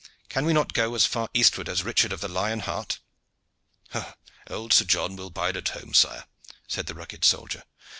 Can we not go as far eastward as Richard of the Lion Heart?" "Old John will bide at home, sire," said the rugged soldier.